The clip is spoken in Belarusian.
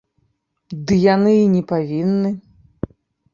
Ды яны і не павінны.